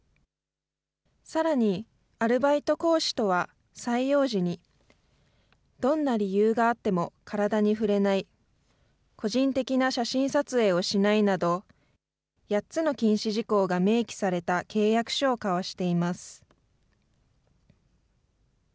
さらに、アルバイト講師とは採用時に、どんな理由があっても体に触れない、個人的な写真撮影をしないなど、８つの禁止事項が明記された契約書を交わしています。